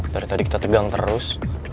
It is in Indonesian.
dari tadi kita tegang terus